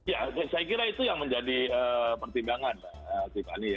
ya saya kira itu yang menjadi pertimbangan